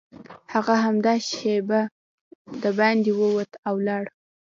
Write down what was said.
هغه همدا شېبه دباندې ووت او لاړ